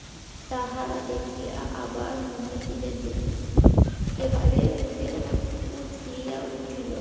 তাহা দেখিয়া আবার মহিষীর দুঃখ একেবারে উথলিয়া উঠিল।